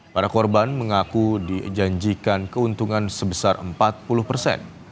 para korban mengaku dijanjikan keuntungan sebesar empat puluh persen